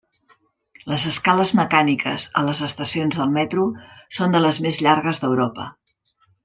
Les escales mecàniques a les estacions del metro són de les més llargues d'Europa.